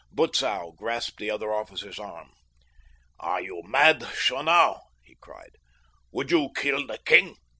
Butzow grasped the other officer's arm. "Are you mad, Schonau?" he cried. "Would you kill the king?"